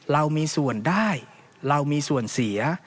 เรามีส่วนได้เรามีส่วนเสีย